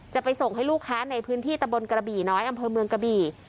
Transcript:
จะไปส่งให้ลูกค้าในพื้นที่ตะบนกระบี่น้อยอำเภอเมืองกระบี่